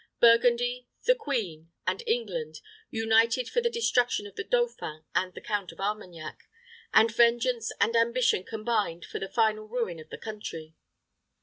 Burgundy, the queen, and England, united for the destruction of the dauphin and the Count of Armagnac, and vengeance and ambition combined for the final ruin of the country.